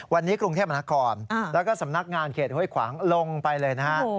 วันนี้กรุงเทพมนาคมแล้วก็สำนักงานเขตห้วยขวางลงไปเลยนะฮะ